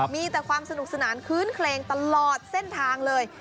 มีแต่ความสนุกสนานคื้นเคลงตลอดเส้นทางเลย